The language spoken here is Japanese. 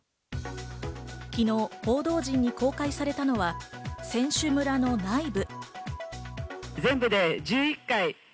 昨日、報道陣に公開されたのは選手村の内部。